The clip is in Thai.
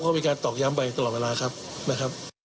ก็มีการตอกย้ำไปตลอดเวลาครับนะครับ